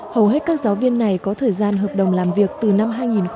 hầu hết các giáo viên này có thời gian hợp đồng làm việc từ năm hai nghìn một mươi bảy